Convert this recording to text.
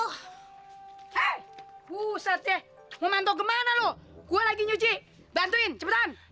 hei pusatnya mau manto kemana lu gua lagi nyuci bantuin cepetan